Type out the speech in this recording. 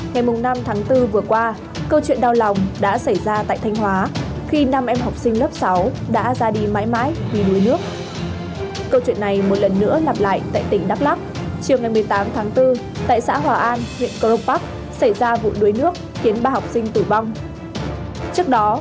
ngày năm tháng bốn vừa qua câu chuyện đau lòng đã xảy ra tại thanh hóa khi năm em học sinh lớp sáu đã ra đi mãi mãi vì đuối nước